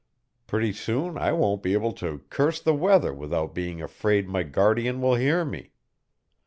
Pretty soon I won't be able to curse the weather without being afraid my guardian will hear me.